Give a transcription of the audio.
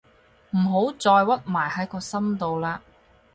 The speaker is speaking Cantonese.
唔好再屈埋喺個心度喇